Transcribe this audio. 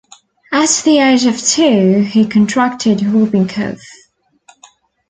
At the age of two, he contracted whooping cough.